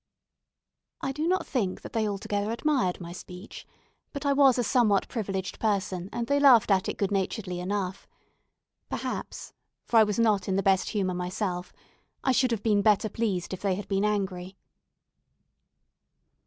I do not think that they altogether admired my speech, but I was a somewhat privileged person, and they laughed at it good naturedly enough. Perhaps (for I was not in the best humour myself) I should have been better pleased if they had been angry.